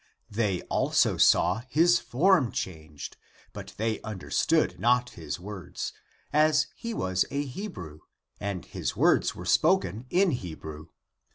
They also saw his form changed, but they understood not his words, as he was a Hebrew and his words were spoken in Hebrew.